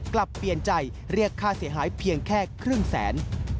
กลับเปลี่ยนใจเรียกค่าเสียหายเพียงแค่ครึ่งแสน